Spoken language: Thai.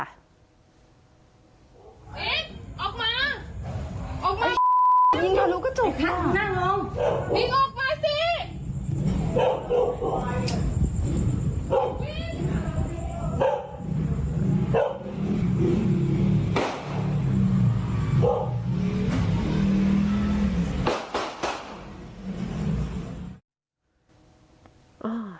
อีกออกมาออกมายิงมาลูกกระจกค่ะนั่งลงยิงออกมาสิ